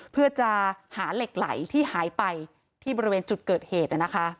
เพื่อจะหาเหล็กไหลที่หายไปที่บริเวณจุดเกิดเหตุ